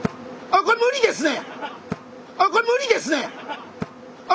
あ無理ですね。